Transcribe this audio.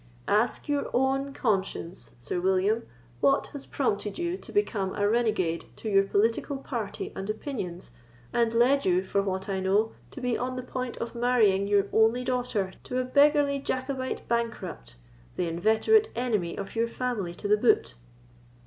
"Ask your own conscience, Sir William, what has prompted you to become a renegade to your political party and opinions, and led you, for what I know, to be on the point of marrying your only daughter to a beggarly Jacobite bankrupt, the inveterate enemy of your family to the boot."